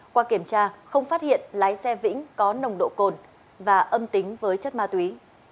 qua kiểm tra không phát hiện lái xe vĩnh có nồng độ cồn và âm tính với chất ma túy